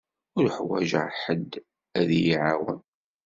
Ur uḥwaǧeɣ ḥedd ad y-iɛiwen.